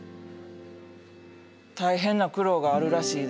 大変な苦労があるらしいで。